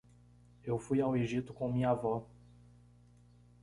Eu fui ao Egito com minha avó.